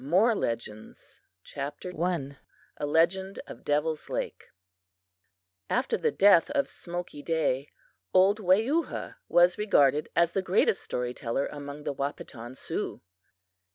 IX. MORE LEGENDS I: A Legend of Devil's Lake AFTER the death of Smoky Day, old Weyuha was regarded as the greatest story teller among the Wahpeton Sioux.